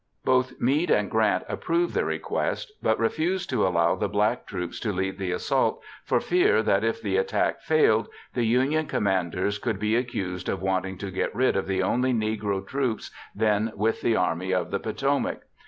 Both Meade and Grant approved the request, but refused to allow the black troops to lead the assault for fear that, if the attack failed, the Union commanders could be accused of wanting to get rid of the only Negro troops then with the Army of the Potomac.